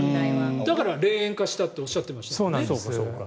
だから霊園化したとおっしゃってましたよね。